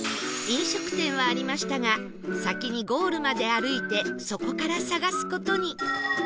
飲食店はありましたが先にゴールまで歩いてそこから探す事に